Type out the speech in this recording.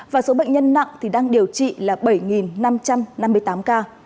và số bệnh nhân nặng đang điều trị là bảy năm trăm năm mươi tám ca